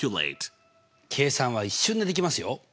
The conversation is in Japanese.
計算は一瞬でできますよ。